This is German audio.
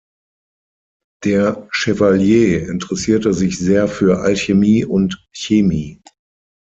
Der Chevalier interessierte sich sehr für Alchemie und Chemie.